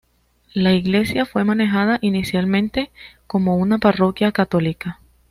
La iglesia fue manejada inicialmente como una parroquia católica.